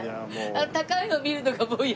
高いのを見るのがもう嫌。